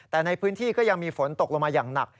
แต่ในพื้นที่ก็ยังมีฝนตกลงมาอย่างหนัก